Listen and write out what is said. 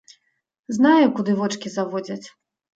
Знаю, куды вочкі заводзяць.